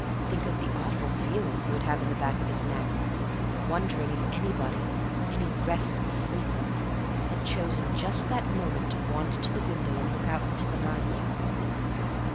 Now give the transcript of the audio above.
Think of the awful feeling he would have in the back of the neck, wondering if anybody, any restless sleeper, had chosen just that moment to wander to the window and look out into the night.